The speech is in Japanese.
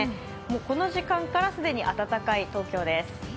この時間から既に暖かい東京です。